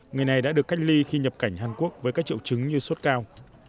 người này đã được cách ly khi nhập cảnh hàn quốc với các triệu chứng như sốt cao